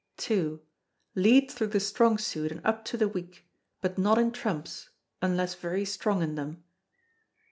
ii. Lead through the strong suit and up to the weak; but not in trumps; unless very strong in them.